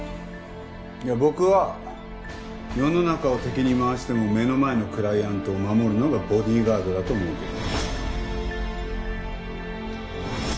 いや僕は世の中を敵に回しても目の前のクライアントを護るのがボディーガードだと思うけど。